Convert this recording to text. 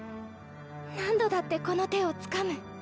何度だってこの手をつかむ。